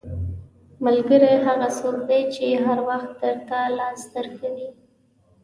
• ملګری هغه څوک دی چې هر وخت درته لاس درکوي.